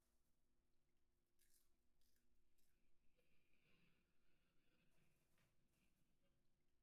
Whether the later cathedral of Tyre was begun during his reign is not known.